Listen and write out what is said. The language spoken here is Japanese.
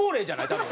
多分。